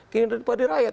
kini daripada rakyat